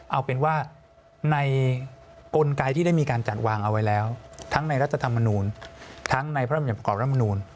เอาเป็นว่าในกลไกที่ได้มีการจัดวางเอาไว้แล้วทั้งในรัฐธรรมนูลทั้งในพระราชบัญญัติประกอบรัฐมนูล